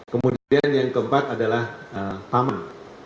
kemudian yang keempat adalah taman